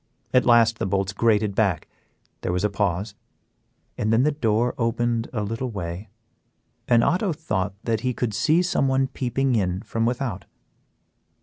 At last the bolts grated back, there was a pause, and then the door opened a little way, and Otto thought that he could see someone peeping in from without.